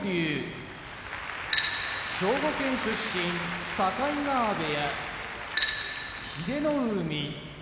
兵庫県出身境川部屋英乃海